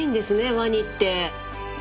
ワニって。